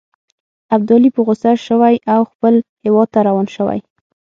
ابدالي په غوسه شوی او خپل هیواد ته روان شوی.